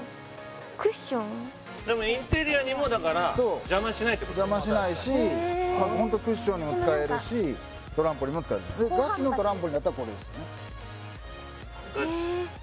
クッションでもインテリアにもだから邪魔しないってことだ邪魔しないしホントクッションにも使えるしトランポリンにも使えるガチのトランポリンだったらこれですよねえ